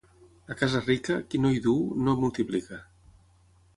A casa rica, qui no hi duu, no multiplica.